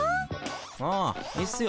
あいいっすよ。